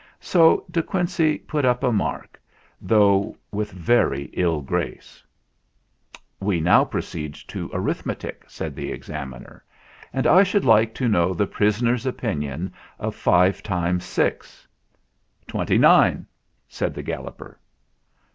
So De Quincey put up a mark, though with very ill grace. "We now proceed to arithmetic," said the Examiner. "And I should like to know the prisoner's opinion of five times six." THE EXAMINATION 239 "Twenty nine," said the Galloper.